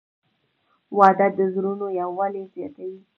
• واده د زړونو یووالی زیاتوي.